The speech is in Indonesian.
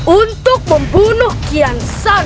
untuk membunuh kian san